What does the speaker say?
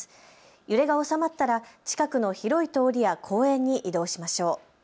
揺れが収まったら近くの広い通りや公園に移動しましょう。